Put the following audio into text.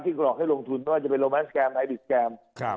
ที่กรอกให้ลงทุนเพราะว่าจะเป็นโรแมนส์แกรมไนติสแกรม